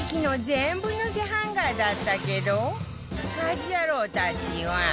全部のせハンガーだったけど家事ヤロウたちは